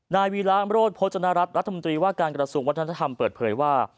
นายวีราอำรวจโภชนรัฐรัฐมนตรีว่าการกระทรวงวัฒนธรรมเปิดเผยว่า